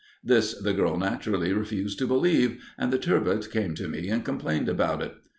This the girl naturally refused to believe, and the "Turbot" came to me and complained about it.